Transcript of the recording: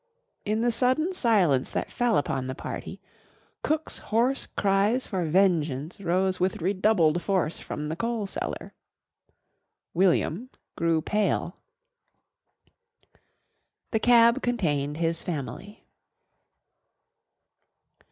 In the sudden silence that fell upon the party, cook's hoarse cries for vengeance rose with redoubled force from the coal cellar. William grew pale. The cab contained his family.